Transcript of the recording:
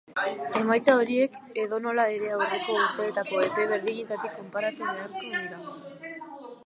Emaitza horiek, edonola ere, aurreko urteko epe berdinarekin konparatu beharko dira.